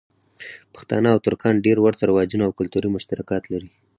پښتانه او ترکان ډېر ورته رواجونه او کلتوری مشترکات لری.